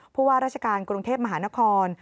ผู้ว่าราชการกรุงเทพมหานคร